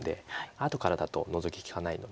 後からだとノゾキ利かないので。